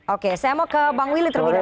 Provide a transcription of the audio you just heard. oke saya mau ke bang willy terlebih dahulu